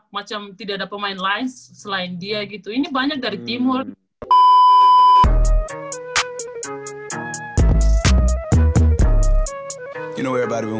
macam tidak ada pemain lain selain dia gitu ini banyak dari timur